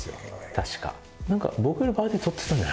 確か。